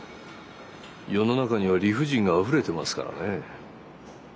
世の中には理不尽があふれてますからね。